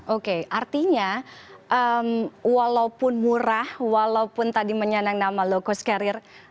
oke artinya walaupun murah walaupun tadi menyandang nama low cost carrier